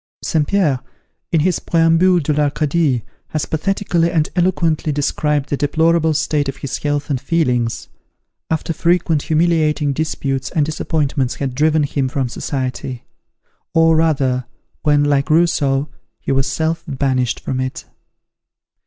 St. Pierre, in his "Préambule de l'Arcadie," has pathetically and eloquently described the deplorable state of his health and feelings, after frequent humiliating disputes and disappointments had driven him from society; or rather, when, like Rousseau, he was "self banished" from it.